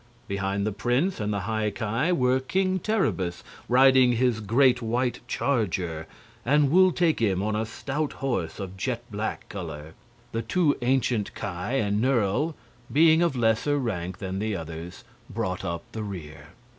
Behind the prince and the High Ki were King Terribus, riding his great white charger, and Wul Takim on a stout horse of jet black color. The two ancient Ki and Nerle, being of lesser rank than the others, brought up the rear.